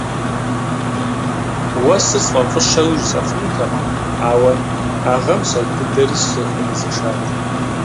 Уэсыр сфӀэфӀыщэуи жысӀэфынутэкъым, ауэ, а гъэм сэр дыдэри сызыхуигъэзэшат!